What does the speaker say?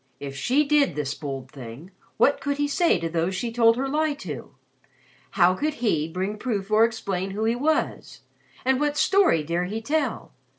If she did this bold thing, what could he say to those she told her lie to? How could he bring proof or explain who he was and what story dare he tell?